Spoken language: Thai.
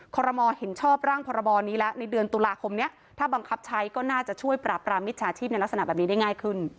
ขอรมอลเห็นชอบร่างพรบนี้แล้วในเดือนตุลาคมนี้ถ้าบังคับใช้ก็น่าจะช่วยปราบรามมิจฉาชีพในลักษณะแบบนี้ได้ง่ายขึ้น